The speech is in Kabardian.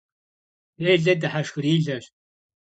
Dêle dıheşşxırileş.